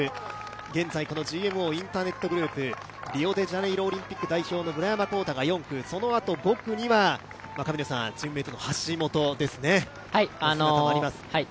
現在、ＧＭＯインターネットグループ、リオデジャネイロオリンピック代表の村山紘太が４区、５区には神野さんとチームメイトの橋本の姿もあります。